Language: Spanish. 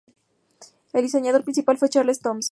El diseñador principal fue Charles Thompson.